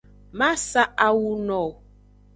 Ma sa awu no wo.